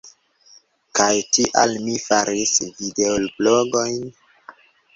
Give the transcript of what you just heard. Kaj tial mi faris videoblogojn.